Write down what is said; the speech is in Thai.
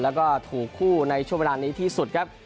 แล้วก็ถูกคู่ในช่วงเวลานี้ที่สุดครับ